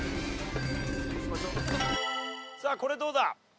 さあこれどうだ？